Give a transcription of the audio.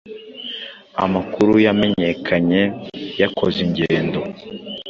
Amakuru yamenyekanye yakoze ingendo